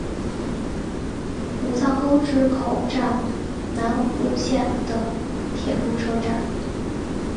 武藏沟之口站南武线的铁路车站。